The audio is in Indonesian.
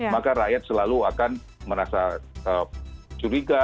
maka rakyat selalu akan merasa curiga